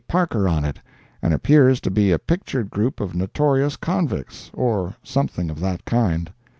Parker on it, and appears to be a pictured group of notorious convicts, or something of that kind.